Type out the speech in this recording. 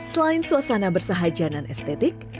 selain suasana bersahaja dan estetik